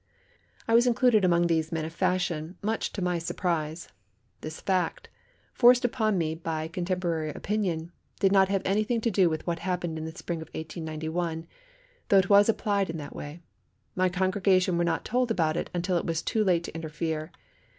I was included among these "men of fashion," much to my surprise. This fact, forced upon me by contemporary opinion, did not have anything to do with what happened in the spring of 1891, though it was applied in that way. My congregation were not told about it until it was too late to interfere.